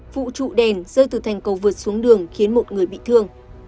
vụ trụ đèn rơi từ thành cầu vượt xuống đường khiến một người bị thương